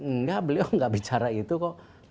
tidak beliau tidak bicara itu kok